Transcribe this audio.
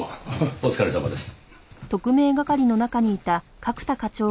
お疲れさまです。